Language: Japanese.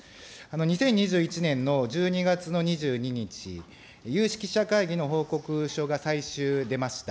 ２０２１年の１２月の２２日、有識者会議の報告書が最終出ました。